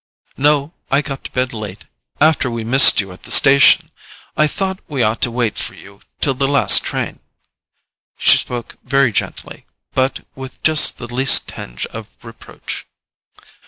"No—I got to bed late. After we missed you at the station I thought we ought to wait for you till the last train." She spoke very gently, but with just the least tinge of reproach.